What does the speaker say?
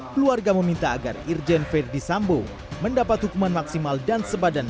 keluarga meminta agar irjen ferdisambu mendapat hukuman maksimal dan sepadan